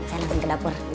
saya langsung ke dapur